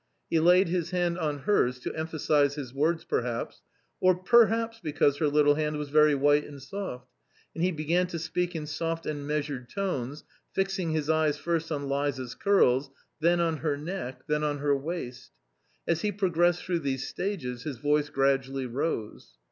212 A COMMON STORY He laid his hand on hers, to emphasise his words perhaps, or perhaps because her little hand was very white and soft, and he began to speak in soft and measured tones, fixing his eyes first on Liza's curls, then on her neck, then on her waist As he progressed through these stages his voice gradually rose.